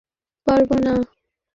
তারা পাঞ্জাবিরা কী জানি বলে?